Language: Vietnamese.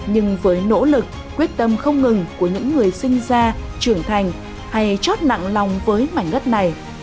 nhưng với nỗ lực quyết tâm không ngừng của những người sinh ra trưởng thành hay chót nặng lòng với mảnh đất này